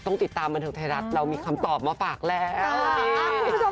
ต้องติดตามบันเทิงไทยรัฐเรามีคำตอบมาฝากแล้วนี่